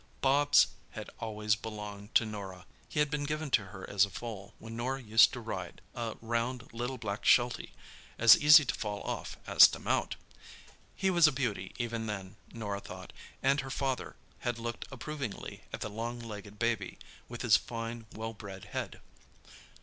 Bobs had always belonged to Norah, He had been given to her as a foal, when Norah used to ride a round little black sheltie, as easy to fall off as to mount. He was a beauty even then, Norah thought; and her father had looked approvingly at the long legged baby, with his fine, well bred head.